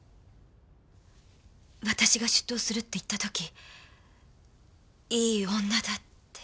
私が出頭するって言った時いい女だって。